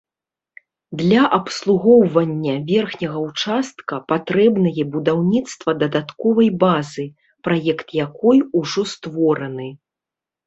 Для абслугоўвання верхняга ўчастка патрэбнае будаўніцтва дадатковай базы, праект якой ужо створаны.